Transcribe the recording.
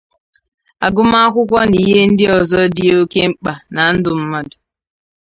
agụmakwụkwọ na ihe ndị ọzọ dị oke mkpà na ndụ mmadụ.